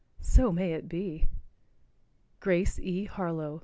So may it be. Grace E. Harlow.